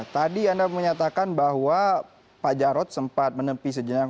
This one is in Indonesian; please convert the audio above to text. tadi anda menyatakan bahwa pak jarod sempat menepi sejenak